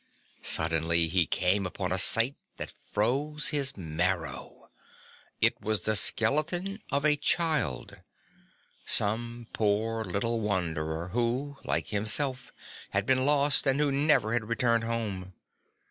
Suddenly he came upon a sight that froze his marrow. It was the skeleton of a child, some poor little wanderer who, like himself, had been lost and who never had returned home.